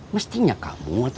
mestinya kamu nungguin dia